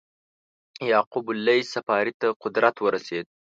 یعقوب اللیث صفاري ته قدرت ورسېد.